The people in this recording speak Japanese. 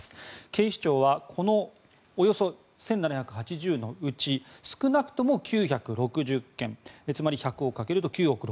警視庁はこのおよそ１７８０のうち少なくとも９６０件つまり、１００を掛けると９億６０００万円。